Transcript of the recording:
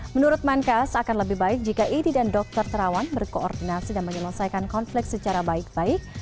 menurut menkes akan lebih baik jika idi dan dokter terawan berkoordinasi dan menyelesaikan konflik secara baik baik